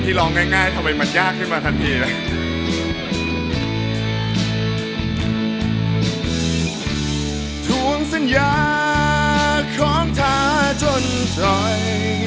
ทุ่งสัญญาของท่าจนจ่อย